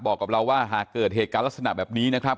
บอกกับเราว่าหากเกิดเหตุการณ์ลักษณะแบบนี้นะครับ